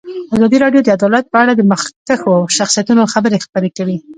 ازادي راډیو د عدالت په اړه د مخکښو شخصیتونو خبرې خپرې کړي.